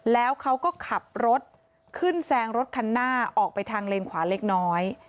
แล้วเขาก็ขับรถขึ้นแซงรถคันหน้าออกไปทางเลนขวาเล็กน้อย